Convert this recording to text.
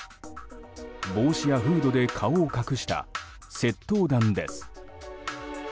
帽子やフードで顔を隠した窃盗団です。